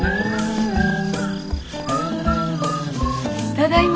ただいま。